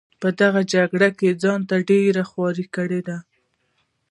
په دغه جګړو کې ځان ډېر خوار کړی دی.